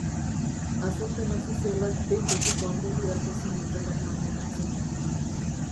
Azalpen ofizialak behin-betiko ondorioak ezin dutela eman onartzen du.